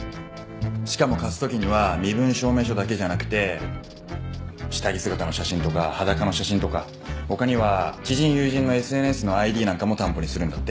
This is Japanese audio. しかも貸す時には身分証明書だけじゃなくて下着姿の写真とか裸の写真とか他には知人友人のＳＮＳのＩＤなんかも担保にするんだって。